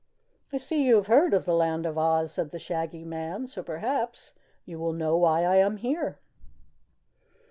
"I see you have heard of the Land of Oz," said the Shaggy Man, "so perhaps you will know why I am here."